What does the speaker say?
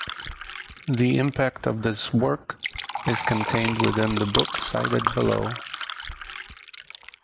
The impact of this work is contained within the book cited below.